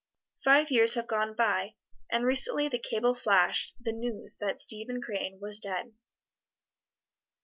Five years have gone by, and recently the cable flashed the news that Stephen Crane was dead.